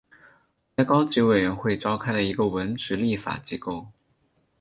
国家高级委员会召开的一个文职立法机构。